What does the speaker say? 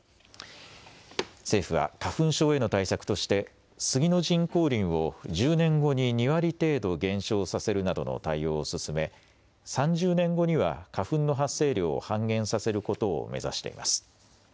政府は花粉症への対策として、スギの人工林を１０年後に２割程度減少させるなどの対応を進め、３０年後には、花粉の発生量を半減させることを目指しています。